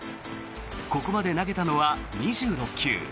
ここまで投げたのは２６球。